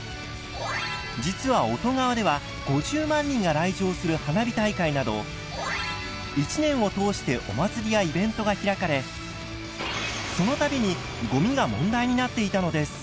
実は乙川では５０万人が来場する花火大会など一年を通してお祭りやイベントが開かれその度にごみが問題になっていたのです。